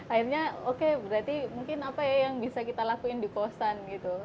akhirnya oke berarti mungkin apa ya yang bisa kita lakuin di kosan gitu